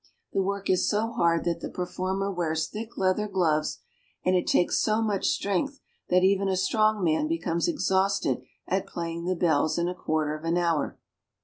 The work is so hard that the performer wears thick leather gloves, and it takes so much strength that even a strong man becomes exhausted at playing the bells in a quarter of an hour.